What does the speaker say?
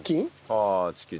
ああチキンね。